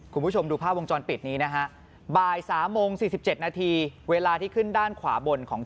คุณผู้ชมดูพาบวงจรปิดนี้น่ะครับ